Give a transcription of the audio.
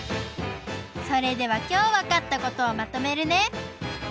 それではきょうわかったことをまとめるね。